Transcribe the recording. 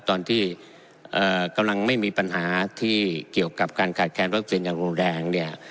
ตอนที่กำลังไม่มีปัญหาที่เกี่ยวกับการขาดแคลนวัคซีนอย่างรุนแรงเนี่ย